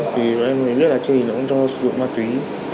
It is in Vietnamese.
thì em luyện là trình hình nó cũng cho sử dụng ma túy